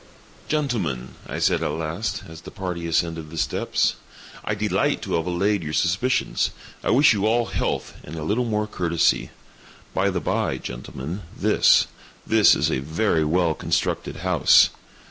"Gentlemen," I said at last, as the party ascended the steps, "I delight to have allayed your suspicions. I wish you all health, and a little more courtesy. By the bye, gentlemen, this—this is a very well constructed house."